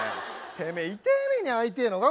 てめえ痛え目に遭いてえのか